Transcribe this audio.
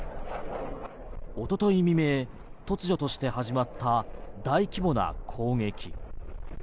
一昨日未明、突如として始まった大規模な攻撃。